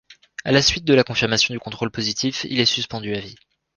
À la suite de la confirmation du contrôle positif, il est suspendu à vie.